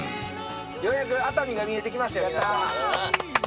ようやく熱海が見えてきましたよ。